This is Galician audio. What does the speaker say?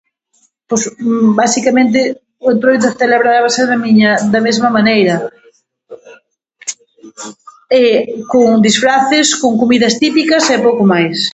Pos basicamente o entroido celebrábase da miña, da mesma maneira, con disfraces, con comidas típicas e pouco máis.